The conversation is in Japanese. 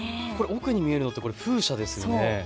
奥に見えるのって風車ですよね。